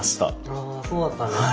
ああそうだったんですね。